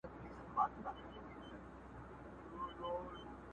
خوندي مړې سوې، چي پاته ترلې سوې.